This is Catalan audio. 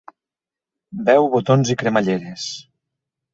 Veu botons i cremalleres.